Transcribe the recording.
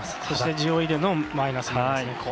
そして、ＧＯＥでのマイナスも。